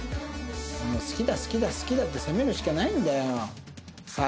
もう好きだ好きだ好きだって攻めるしかないんだよ最後は。